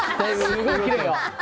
すごいきれいだわ。